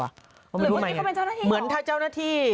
เหมือนว่าที่เขาเป็นเจ้าหน้าที่หรอเหมือนถ้าเจ้าหน้าที่